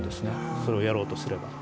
それをやろうとすれば。